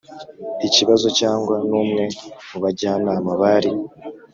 Ikibazo cyangwa n umwe mu bajyanama bari